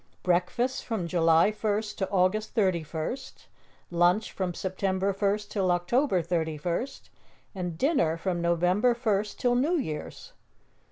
"Breakfast from July first to August thirty first; lunch from September first till October thirty first; and dinner from November first till New Year's."